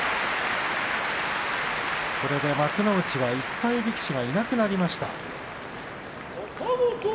これで幕内は１敗力士がいなくなりました。